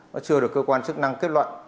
nó chưa được cơ quan chức năng kết luận